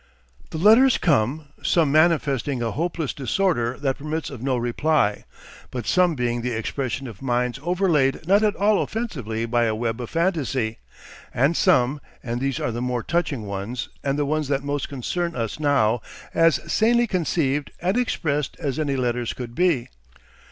The letters come, some manifesting a hopeless disorder that permits of no reply, but some being the expression of minds overlaid not at all offensively by a web of fantasy, and some (and these are the more touching ones and the ones that most concern us now) as sanely conceived and expressed as any letters could be.